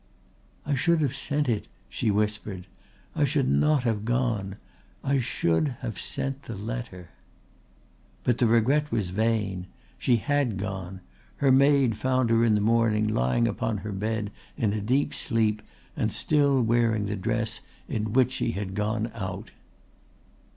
"I should have sent it," she whispered. "I should not have gone. I should have sent the letter." But the regret was vain. She had gone. Her maid found her in the morning lying upon her bed in a deep sleep and still wearing the dress in which she had gone out.